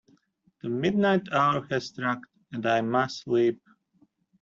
The midnight hour has struck, and I must sleep.